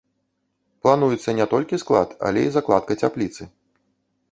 Плануецца не толькі сад, але і закладка цяпліцы.